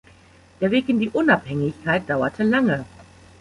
Der Weg in die Unabhängigkeit dauerte lange.